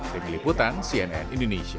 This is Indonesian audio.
demi liputan cnn indonesia